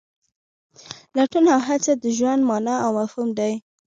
لټون او هڅه د ژوند مانا او مفهوم دی.